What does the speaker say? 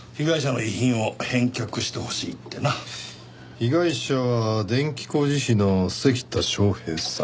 被害者は電気工事士の関田昌平さん。